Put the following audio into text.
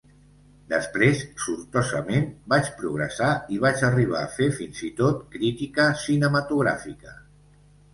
Després, sortosament, vaig progressar i vaig arribar a fer fins i tot crítica cinematogràfica.